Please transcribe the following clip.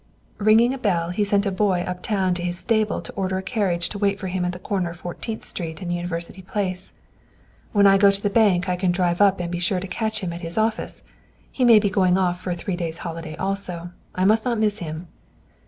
"Ringing a bell, he sent a boy up town to his stable to order a carriage to wait for him at the corner of Fourteenth Street and University Place. When I go to the bank I can drive up and be sure to catch him at his office. He may be going off for a three days' holiday, also. I must not miss him."